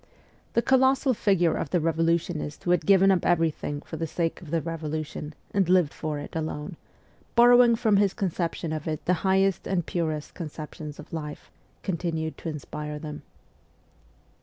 ' The colossal figure of the revolu tionist who had given up everything for the sake of the revolution, and lived for it alone, borrowing from his conception of it the highest and purest conceptions of life, continued to inspire them.